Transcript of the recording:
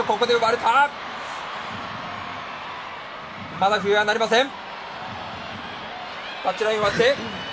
まだ笛は鳴りません。